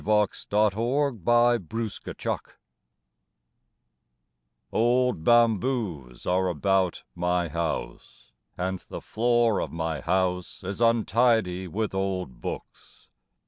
_ ANNAM THE BAMBOO GARDEN Old bamboos are about my house, And the floor of my house is untidy with old books.